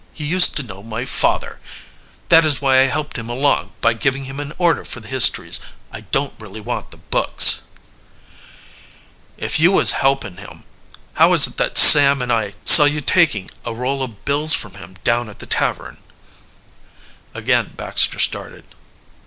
He used to know my father. That is why I helped him along by giving him an order for the histories. I don't really want the books." "If you was helping him, how is it that Sam and I saw you taking a roll of bills from him down at the tavern?" Again Baxter started.